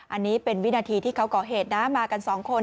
อันนี้เป็นวินาทีที่เขาก่อเหตุนะมากันสองคน